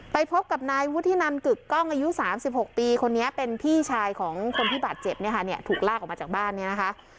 ไปพบกับนายวุฒินันกึกกล้องอายุ๓๖ปีคนนี้เป็นพี่ชายของคนที่บาดเจ็บเนี่ยค่ะเนี่ยถูกลากออกมาจากบ้านเนี่ยนะคะ